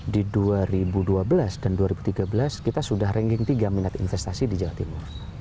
di dua ribu dua belas dan dua ribu tiga belas kita sudah ranking tiga minat investasi di jawa timur